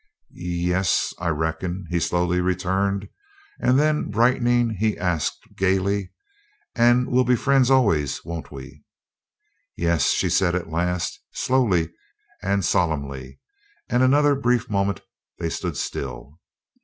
"Ye es I reckon," he slowly returned. And then, brightening, he asked gayly: "And we'll be friends always, won't we?" "Yes," she said at last, slowly and solemnly, and another brief moment they stood still.